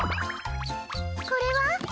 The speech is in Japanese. これは？